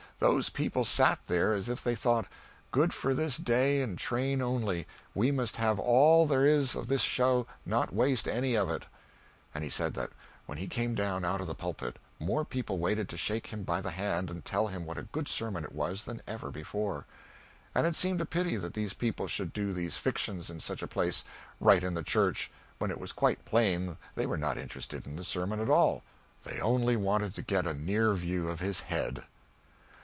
Those people sat there as if they thought, "Good for this day and train only: we must have all there is of this show, not waste any of it." And he said that when he came down out of the pulpit more people waited to shake him by the hand and tell him what a good sermon it was, than ever before. And it seemed a pity that these people should do these fictions in such a place right in the church when it was quite plain they were not interested in the sermon at all; they only wanted to get a near view of his head.